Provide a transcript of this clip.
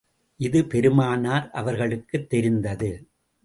இது பெருமானார் அவர்களுக்குத் தெரிந்தது.